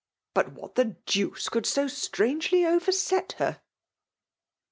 " But what the deuce could so strapjfely Qy^z, set her?"